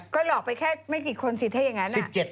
ก็หลอกไปแค่ไม่กี่คนสิถ้าอย่างนั้น